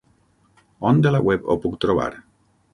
On de la web ho puc trobar?